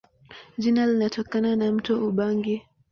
Jina linatokana na mto Ubangi.